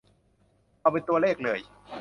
เอาเป็นตัวเลขเลย